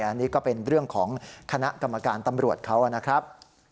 อันนี้ก็เป็นเรื่องของคณะกรรมการตำรวจเขานะครับ